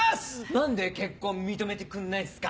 何で結婚認めてくんないんすか？